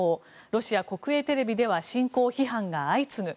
ロシア国営テレビでは侵攻批判が相次ぐ。